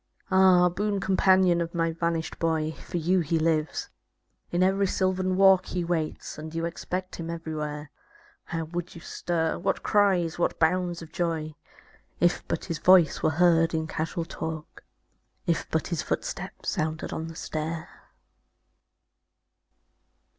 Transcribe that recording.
Ah, boon companion of my vanished boy. For you he lives; in every sylvan walk He waits; and you expect him everywhere. How would you stir, what cries, what bounds of joy. If but his voice were heard in casual talk. If but his footstep sounded on the stair!